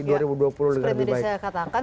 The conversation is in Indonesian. seperti yang saya katakan